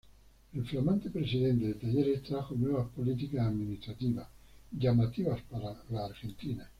El flamante presidente de Talleres trajo nuevas políticas administrativas, llamativas para Argentina.